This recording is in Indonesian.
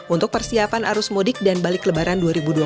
untuk persiapan arus mudik dan balik lebaran dua ribu dua puluh